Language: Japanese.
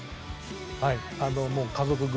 はい。